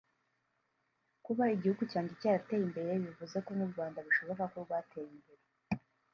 kuba igihugu cyanjye cyarateye imbere bivuze ko n’u Rwanda bishoboka ko rwatera imbere”